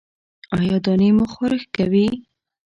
ایا دانې مو خارښ کوي؟